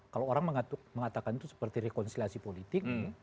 kalau orang mengatakan itu seperti rekonsiliasi politik